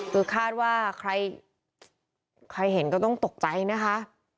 คือคาดว่าใครเห็นก็ต้องตกใจนะคะ